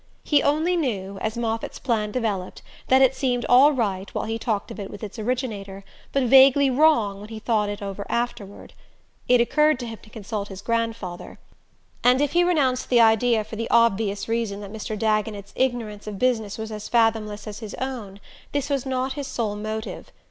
He only knew, as Moffatt's plan developed, that it seemed all right while he talked of it with its originator, but vaguely wrong when he thought it over afterward. It occurred to him to consult his grandfather; and if he renounced the idea for the obvious reason that Mr. Dagonet's ignorance of business was as fathomless as his own, this was not his sole motive.